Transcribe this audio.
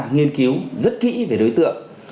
nghiên cứu rất kỹ về đối tượng